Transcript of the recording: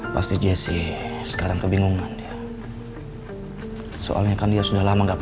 pasti jessica sekarang kebingungan soalnya kan dia sudah lama enggak mau